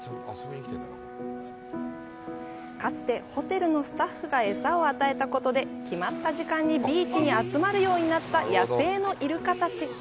かつてホテルのスタッフが餌を与えたことで決まった時間にビーチに集まるようになった野生のイルカたち。